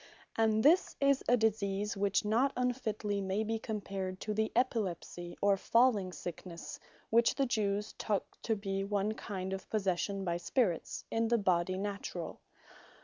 And this is a Disease which not unfitly may be compared to the Epilepsie, or Falling sicknesse (which the Jewes took to be one kind of possession by Spirits) in the Body Naturall.